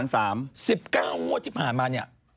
๑๙งวดที่ผ่านมาเนี่ย